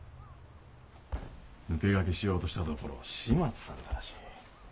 抜け駆けしようとしたところを始末されたらしい。